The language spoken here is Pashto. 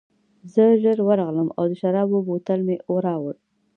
زه ژر ورغلم او د شرابو بوتل مې راوړ